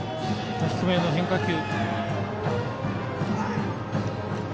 低めの変化球。